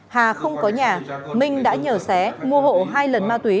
hà không có nhà minh đã nhờ xé mua hộ hai lần ma túy